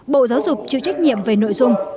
bộ giáo dục chịu trách nhiệm về nội dung